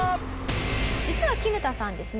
実はキヌタさんですね